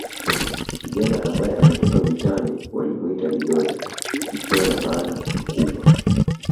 Kijana ambaye ametoka vitani walimwita lidoda ikiwa na maana mkubwa